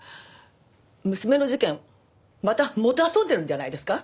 娘の事件をまた弄んでるんじゃないですか？